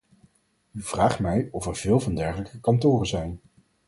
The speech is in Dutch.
U vraagt mij of er veel van dergelijke kantoren zijn.